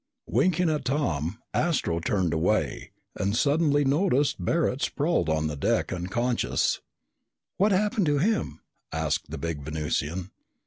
Winking at Tom, Astro turned away and suddenly noticed Barret sprawled on the deck, unconscious. "What happened to him?" asked the big Venusian.